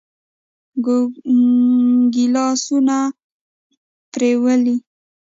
ګيلاسونه پرېولي.